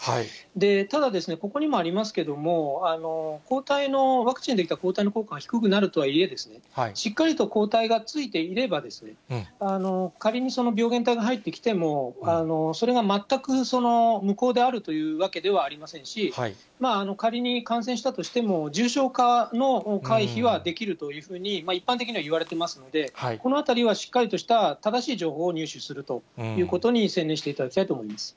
ただ、ここにもありますけれども、抗体の、ワクチンで出来た抗体の効果が低くなるとはいえ、しっかりと抗体がついていれば、仮にその病原体が入ってきても、それが全く無効であるというわけではありませんし、仮に感染したとしても重症化の回避はできるというふうに、一般的にはいわれてますので、このあたりはしっかりとした正しい情報を入手するということに専念していただきたいと思います。